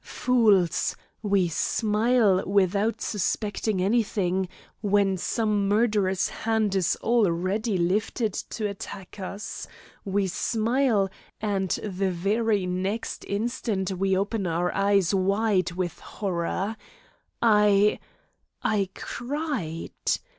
Fools, we smile, without suspecting anything, when some murderous hand is already lifted to attack us; we smile, and the very next instant we open our eyes wide with horror. I I cried.